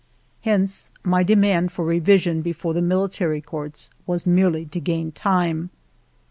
Hence my demand for revision before the military courts was merely to gain time.